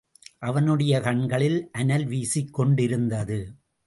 அவனுடைய கண்களில் அனல் வீசிக்கொண்டிருந்தது.